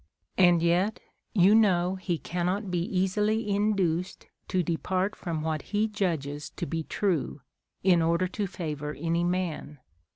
And yet you know he cannot be easily induced to depart from what he judges to be true, in order to favor any man.